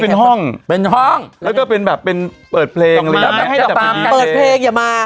เป็นห้องเป็นห้องแล้วก็เป็นแบบเป็นเปิดเพลงดอกไม้ให้ดอกไม้เปิดเพลงอย่ามา